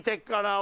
俺。